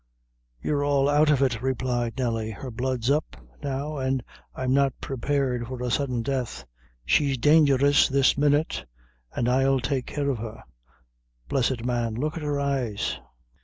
"You're all out of it," replied Nelly; "her blood's up, now, an' I'm not prepared for a sudden death. She's dangerous this minute, an' I'll take care of her. Blessed man, look at her eyes."